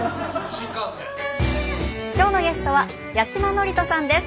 今日のゲストは八嶋智人さんです。